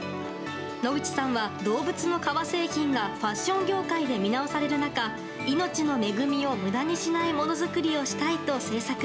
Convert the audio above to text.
野口さんは動物の革製品がファッション業界で見直される中、命の恵みをむだにしないものづくりをしたいと制作。